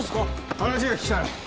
話が聞きたい。